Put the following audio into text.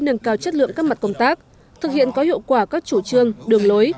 nâng cao chất lượng các mặt công tác thực hiện có hiệu quả các chủ trương đường lối